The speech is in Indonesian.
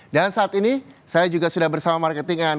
dan saat ini saya juga sudah bersama marketingan